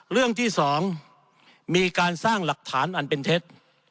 เรื่องที่๒มีการสร้างหลักฐานอันเป็นเท็จ